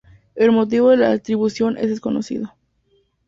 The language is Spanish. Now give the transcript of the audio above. El motivo de la atribución es desconocido.